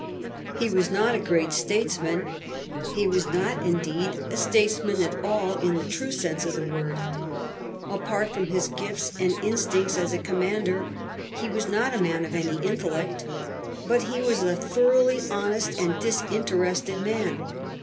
He was not a great statesman; he was not, indeed, a statesman at all in the true sense of the word. Apart from his gifts and instincts as a commander, he was not a man of any intellect. But he was a thoroughly honest and disinterested man.